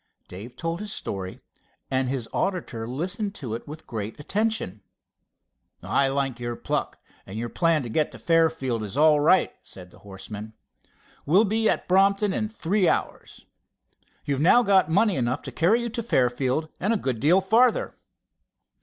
Dave told his story, and his auditor listened to it with great attention. "I like your pluck, and your plan to get to Fairfield is all right," said the horseman. "We'll be at Brompton in three hours. You've now got money enough to carry you to Fairfield and a good deal farther.